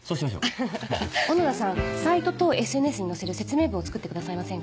アハハ小野田さんサイトとＳＮＳに載せる説明文を作ってくださいませんか？